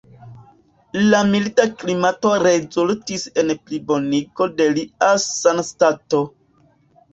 La milda klimato rezultis en plibonigo de lia sanstato.